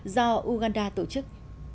do uganda tổ chức